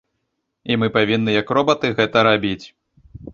І мы павінны як робаты гэта рабіць.